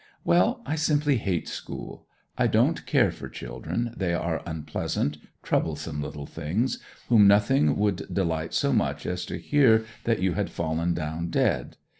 Well, I simply hate school. I don't care for children they are unpleasant, troublesome little things, whom nothing would delight so much as to hear that you had fallen down dead.